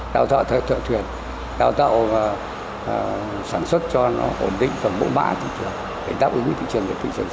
để đáp ứng với thị trường